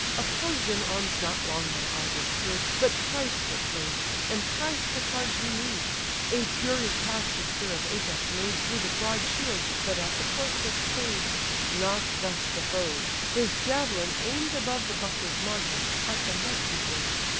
Opposed in arms not long they idly stood, But thrice they closed, and thrice the charge renew'd. A furious pass the spear of Ajax made Through the broad shield, but at the corslet stay'd. Not thus the foe: his javelin aim'd above The buckler's margin, at the neck he drove.